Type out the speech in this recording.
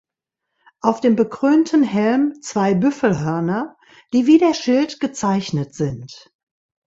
Auf dem bekrönten Helm zwei Büffelhörner, die wie der Schild gezeichnet sind.